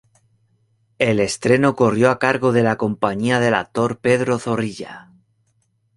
El estreno corrió a cargo de la compañía del actor Pedro Zorrilla.